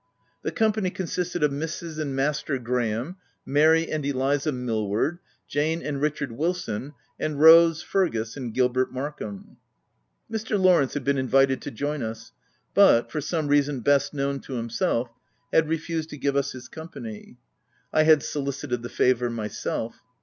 The com pany consisted of Mrs. and Master Graham, Mary and Eliza Millward, Jane and Richard Wilson, and Rose, Fergus, and Gilbert Mark ham. Mr. Lawrence had been invited to join us, but, for some reason best known to himself, had refused to give us his company. I had solicited the favour myself.